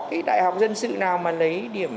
cái đại học dân sự nào mà lấy điểm